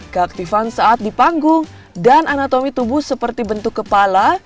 keaktifan saat dipanggung dan anatomi tubuh seperti bentuk kepala